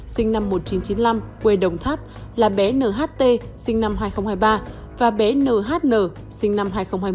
sinh năm một nghìn chín trăm chín mươi năm quê đồng tháp là bé nht sinh năm hai nghìn hai mươi ba và bé nhn sinh năm hai nghìn hai mươi